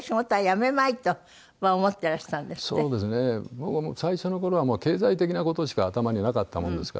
僕はもう最初の頃は経済的な事しか頭になかったものですから。